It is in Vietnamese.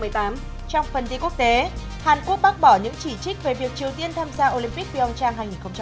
trong phần thi quốc tế hàn quốc bác bỏ những chỉ trích về việc triều tiên tham gia olympic pyeongchang hai nghìn một mươi tám